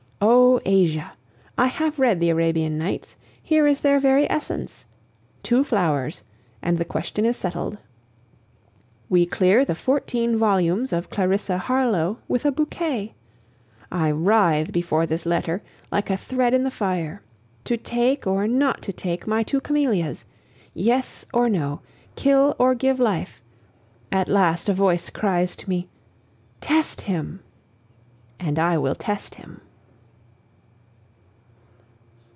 Oh, Asia! I have read the Arabian Nights, here is their very essence: two flowers, and the question is settled. We clear the fourteen volumes of Clarissa Harlowe with a bouquet. I writhe before this letter, like a thread in the fire. To take, or not to take, my two camellias. Yes or No, kill or give life! At last a voice cries to me, "Test him!" And I will test him.